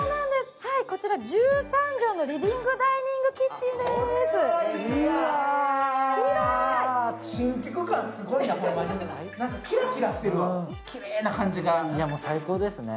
こちら１３畳のリビングダイニングキッチンです。